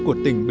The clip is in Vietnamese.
của tỉnh hà nội